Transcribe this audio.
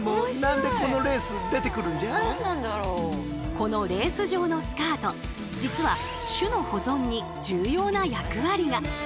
このレース状のスカート実は種の保存に重要な役割が。